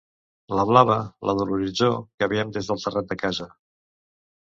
La blava, la de l'horitzó que veiem des del terrat de casa.